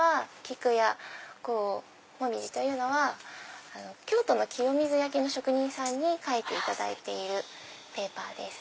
キクやモミジというのは京都の清水焼の職人さんに描いていただいてるペーパーです。